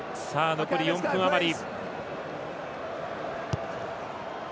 残り４分余り。